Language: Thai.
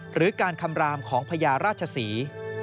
หรือการคำรามของพญาราชศรี